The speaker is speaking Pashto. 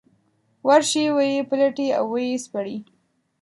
ورشي ویې پلټي او ويې سپړي.